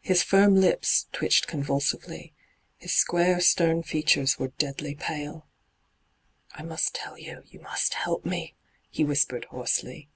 His firm lips twitched convulsively. His square, stem features were deadly pale. hyGoogle ENTRAPPED 189 ' I must tell you — you must help me,' he whispered hoarsely.